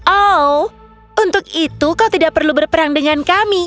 oh untuk itu kau tidak perlu berperang dengan kami